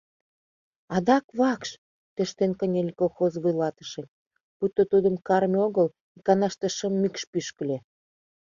— Адак вакш?! — тӧрштен кынеле колхоз вуйлатыше, пуйто тудым карме огыл, иканаште шым мӱкш пӱшкыльӧ.